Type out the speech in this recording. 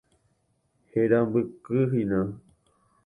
Herambykyhína.